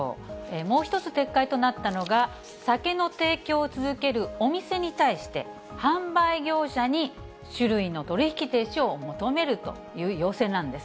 もう１つ撤回となったのが、酒の提供を続けるお店に対して、販売業者に酒類の取り引き停止を求めるという要請なんです。